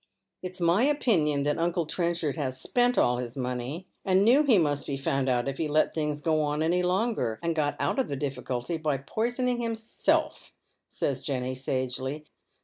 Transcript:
" It's wiy opinion that uncle Trenchard has spent all his money, and knew he must be found out if he let things go on any longer, and got out of the difficulty by poisoning himself,'' says Jenny, sagely.